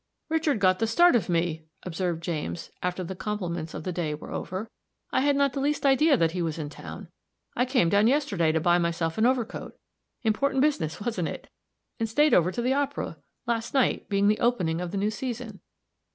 "Richard got the start of me," observed James, after the compliments of the day were over; "I had not the least idea that he was in town. I came down yesterday to buy myself an overcoat important business, wasn't it? and stayed over to the opera, last night being the opening of the new season.